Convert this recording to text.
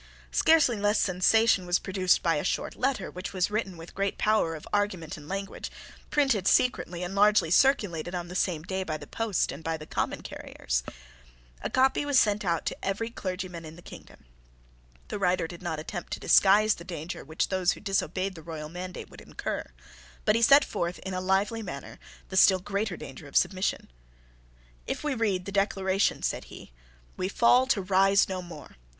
Scarcely less sensation was produced by a short letter which was written with great power of argument and language, printed secretly, and largely circulated on the same day by the post and by the common carriers. A copy was sent to every clergyman in the kingdom. The writer did not attempt to disguise the danger which those who disobeyed the royal mandate would incur: but he set forth in a lively manner the still greater danger of submission. "If we read the Declaration," said he, "we fall to rise no more.